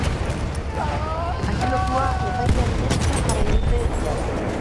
Atxilotua epailearen esku jarri dute jada.